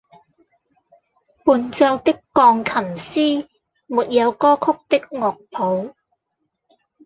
伴奏的鋼琴師沒有歌曲的樂譜